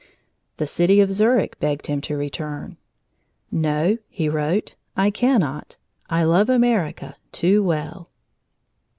The city of Zurich begged him to return. "No," he wrote, "I cannot. I love America too well!"